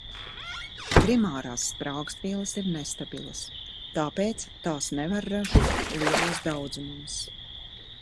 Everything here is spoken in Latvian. Primārās sprāgstvielas ir nestabilas, tāpēc tās nevar ražot lielos daudzumos.